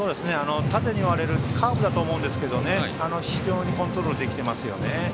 縦に割れるカーブだと思いますが非常にコントロールできてます。